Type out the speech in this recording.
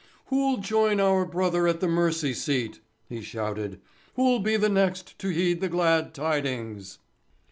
"Who'll join our brother at the mercy seat," he shouted. "Who'll be the next to heed the glad tidings?"